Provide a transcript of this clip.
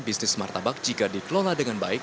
bisnis martabak jika dikelola dengan baik